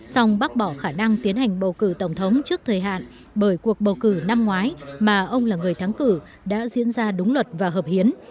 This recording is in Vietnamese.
song bác bỏ khả năng tiến hành bầu cử tổng thống trước thời hạn bởi cuộc bầu cử năm ngoái mà ông là người thắng cử đã diễn ra đúng luật và hợp hiến